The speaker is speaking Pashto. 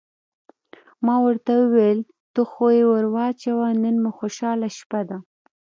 ما ورته وویل: ته خو یې ور واچوه، نن مو خوشحاله شپه ده.